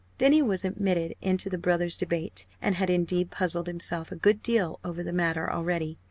Denny was admitted into the brothers' debate, and had indeed puzzled himself a good deal over the matter already.